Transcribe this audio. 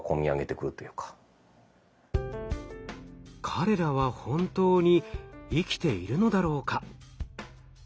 「彼らは本当に生きているのだろうか？」。